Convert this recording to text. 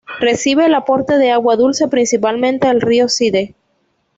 Recibe el aporte de agua dulce principalmente del río Side.